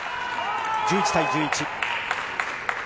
１１対１１。